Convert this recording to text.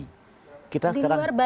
di luar bali tujuh belas itu semuanya